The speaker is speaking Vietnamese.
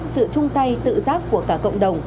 sự chung tay tự giác của cả cộng đồng